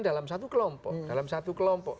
dalam satu kelompok dalam satu kelompok